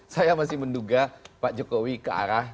saya masih menduga pak jokowi kearah